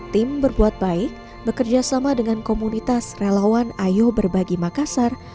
tim berbuat baik bekerja sama dengan komunitas relawan ayo berbagi makassar